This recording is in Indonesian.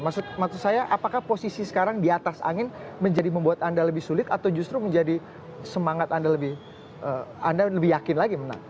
maksud saya apakah posisi sekarang di atas angin menjadi membuat anda lebih sulit atau justru menjadi semangat anda lebih yakin lagi menang